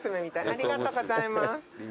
ありがとうございます。